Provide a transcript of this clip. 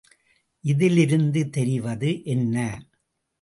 இதிலிருந்து தெரிவது என்ன?